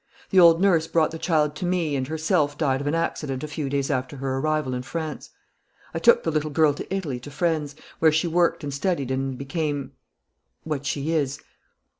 The old nurse brought the child to me and herself died of an accident a few days after her arrival in France.... I took the little girl to Italy to friends, where she worked and studied and became what she is.